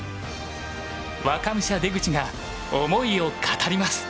若武者・出口が思いを語ります。